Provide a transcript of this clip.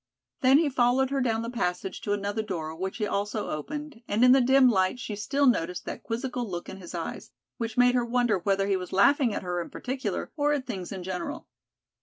Then he followed her down the passage to another door, which he also opened, and in the dim light she still noticed that quizzical look in his eyes, which made her wonder whether he was laughing at her in particular, or at things in general.